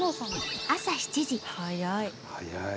早い。